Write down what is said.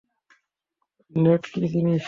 নেড কী জিনিস?